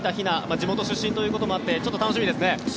地元出身ということもあって楽しみですね。